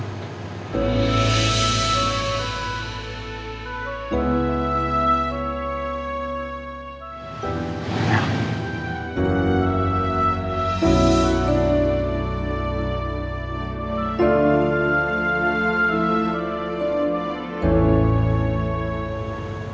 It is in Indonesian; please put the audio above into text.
kami akan menjaga kamu